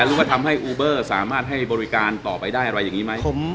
หรือว่าทำให้อูเบอร์สามารถให้บริการต่อไปได้อะไรอย่างนี้ไหม